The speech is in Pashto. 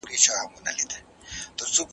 ایا ته د خپل لارښود استاد خبرې منې؟